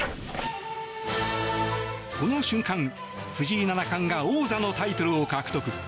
この瞬間、藤井七冠が王座のタイトルを獲得。